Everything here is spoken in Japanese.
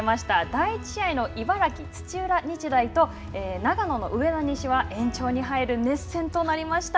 第１試合の茨城、土浦日大と長野の上田西は延長に入る熱戦となりました。